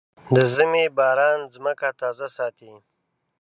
د ژمي باران ځمکه تازه ساتي.